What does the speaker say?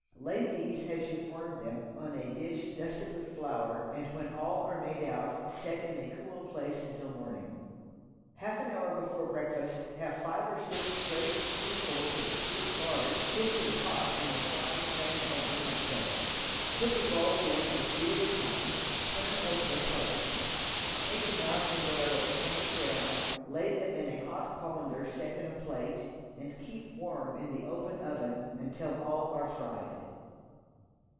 Lay these as you form them on a dish dusted with flour, and when all are made out, set in a cool place until morning. Half an hour before breakfast, have five or six great spoonfuls of sweet lard hissing hot in a frying pan or doughnut kettle. Put in the balls a few at a time; turn as they color; take them out when they are of a tanny brown, lay them in a hot colander set in a plate, and keep warm in the open oven until all are fried.